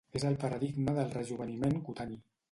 És el paradigma del rejoveniment cutani.